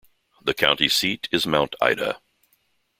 The county seat is Mount Ida.